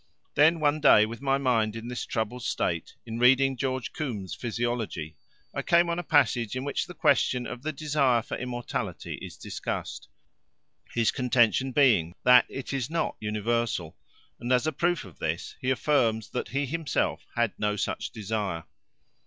Then one day, with my mind in this troubled state, in reading George Combe's Physiology I came on a passage in which the question of the desire for immortality is discussed, his contention being that it is not universal, and as a proof of this he affirms that he himself had no such desire.